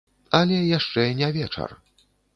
Але яшчэ не вечар.